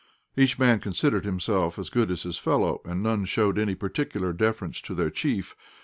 Each man considered himself as good as his fellow, and none showed any particular deference to their chief.